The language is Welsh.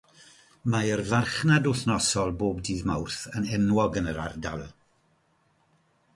Mae'r farchnad wythnosol bob dydd Mawrth yn enwog yn yr ardal.